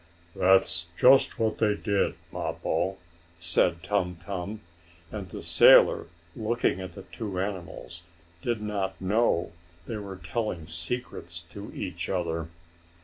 "That's just what they did, Mappo," said Tum Tum, and the sailor, looking at the two animals, did not know they were telling secrets to each other.